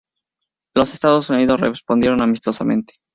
Los Estados Unidos respondieron amistosamente.